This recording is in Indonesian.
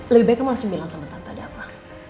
lebih baik kamu langsung bilang sama tante ada apa